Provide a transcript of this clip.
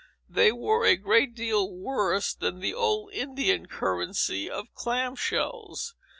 They were a great deal worse than the old Indian currency of clam shells.